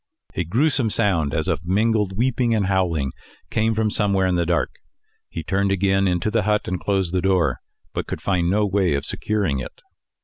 A gruesome sound as of mingled weeping and howling came from somewhere in the dark. He turned again into the hut and closed the door, but could find no way of securing it.